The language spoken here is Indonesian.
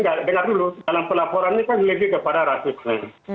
dengar dulu dalam pelaporan ini kan lebih kepada rasisme